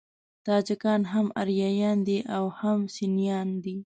تاجکان هم آریایان دي او هم سنيان دي.